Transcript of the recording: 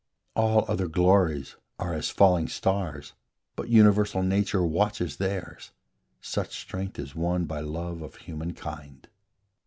All other glories are as falling stars, But universal Nature watches theirs: Such strength is won by love of human kind.